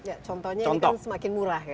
ya contohnya ini kan semakin murah kan